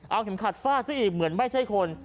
เอาเข็มขัดฟาดซะอีกเหมือนไม่ใช่คน